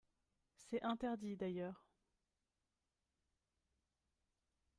C’est interdit, d’ailleurs